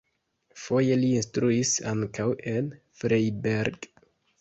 Foje li instruis ankaŭ en Freiberg.